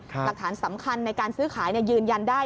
หลักฐานสำคัญในการซื้อขายยืนยันได้